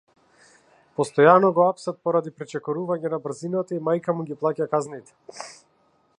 Постојано го апсат поради пречекорување на брзината и мајка му ги плаќа казните.